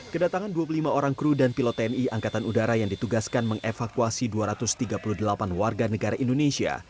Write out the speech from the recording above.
kedatangan dua puluh lima orang kru dan pilot tni angkatan udara yang ditugaskan mengevakuasi dua ratus tiga puluh delapan warga negara indonesia